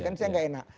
kan saya gak enak